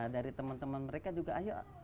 dari teman teman mereka juga ayo